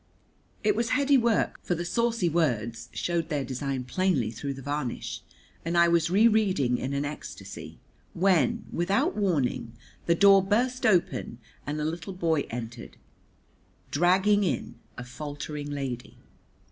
It was heady work, for the saucy words showed their design plainly through the varnish, and I was re reading in an ecstasy, when, without warning, the door burst open and a little boy entered, dragging in a faltering lady.